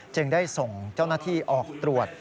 จึงได้ส่งเจ้าหน้าที่ออกตรวจ